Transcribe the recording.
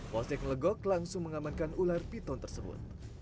postek ngelegok langsung mengamankan ular piton tersebut